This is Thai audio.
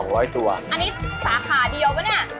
อันนี้สาขาเดียวไหมเนี่ย